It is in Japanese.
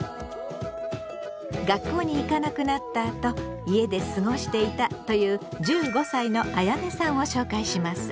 学校に行かなくなったあと家で過ごしていたという１５歳のあやねさんを紹介します。